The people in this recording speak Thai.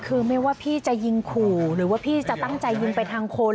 คือไม่ว่าพี่จะยิงขู่หรือว่าพี่จะตั้งใจยิงไปทางคน